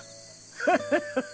ハハハハ。